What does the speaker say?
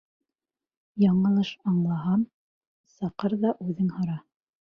Яңылыш аңлаһам, саҡыр ҙа үҙең һора.